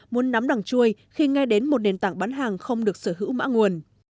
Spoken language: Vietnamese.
muốn nắm đằng chui khi nghe đến một nền tảng bán hàng không được sở hữu mã nguồn